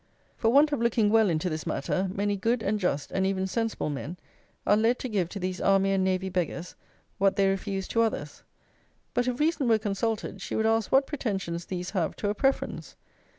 For want of looking well into this matter, many good and just, and even sensible men are led to give to these army and navy beggars what they refuse to others. But if reason were consulted, she would ask what pretensions these have to a preference?